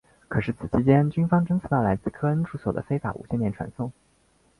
可是此期间军方侦测到来自科恩住所的非法无线电传送。